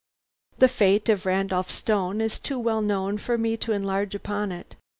The fate of Randolph Stone is too well known for me to enlarge upon it.